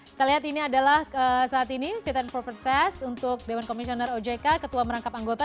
kita lihat ini adalah saat ini fit and proper test untuk dewan komisioner ojk ketua merangkap anggota